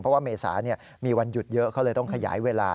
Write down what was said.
เพราะว่าเมษามีวันหยุดเยอะเขาเลยต้องขยายเวลา